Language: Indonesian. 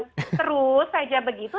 terus saja begitu